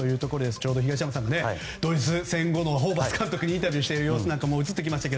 ちょうど東山さんがドイツ戦後のホーバス監督にインタビューしている様子も映ってきましたが。